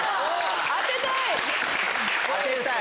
当てたい！